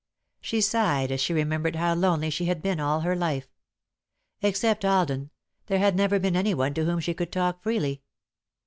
She sighed as she remembered how lonely she had been all her life. Except Alden, there had never been anyone to whom she could talk freely.